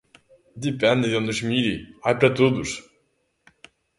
Depende de a onde se mire, ¡hai para todos!